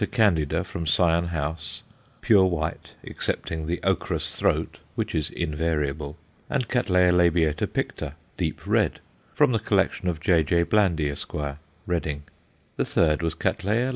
candida_, from Syon House, pure white excepting the ochrous throat which is invariable and C. l. picta, deep red, from the collection of J.J. Blandy, Esq., Reading. The third was _C. l.